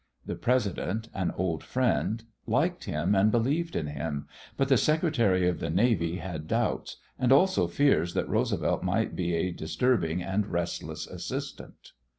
The President, an old friend, liked him and believed in him, but the Secretary of the Navy had doubts, and also fears that Roosevelt might be a disturbing and restless assistant.